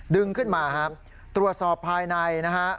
ดึงขึ้นมาตรวจสอบภายใน